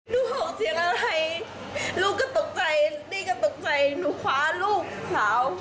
ลูกของเสียงอะไรลูกก็ตกใจนี่ก็ตกใจหนูคว้าลูกสาว